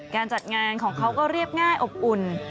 การจัดงานของเขาก็เรียบง่ายอบอุ่น